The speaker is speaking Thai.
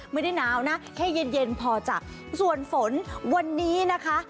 ไม่ได้หนาวนะแค่เย็นเย็นพอจ้ะส่วนฝนวันนี้นะคะ